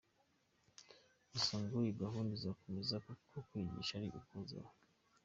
Gusa ngo iyi gahunda izakomeza kuko kwigisha ari uguhozaho.